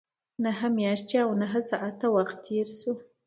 نهه میاشتې او نهه ساعته وخت تېر شو.